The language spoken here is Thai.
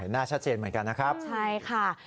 หน้าชัดเจนเหมือนกันนะครับใช่ค่ะ